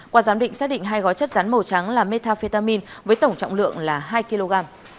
qua giám định xác định hai gói chất rắn màu trắng là metafetamin với tổng trọng lượng là hai kg